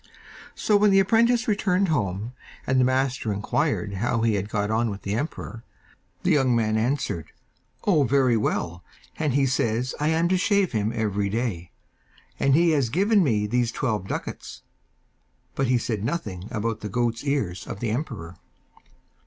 So when the apprentice returned home, and the master inquired how he had got on with the emperor, the young man answered, 'Oh, very well, and he says I am to shave him every day, and he has given me these twelve ducats'; but he said nothing about the goat's ears of the emperor.